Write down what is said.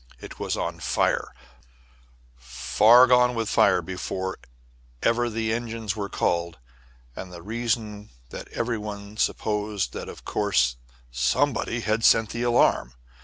It was on fire, far gone with fire before ever the engines were called; and the reason was that everybody supposed that of course somebody had sent the alarm.